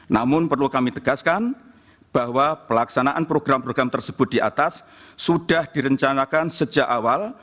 namun perlu kami tegaskan bahwa pelaksanaan program program tersebut di atas sudah direncanakan sejak awal